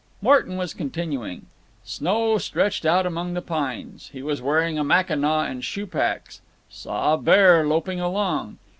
Morton was continuing: Snow stretched out among the pines. He was wearing a Mackinaw and shoe packs. Saw a bear loping along.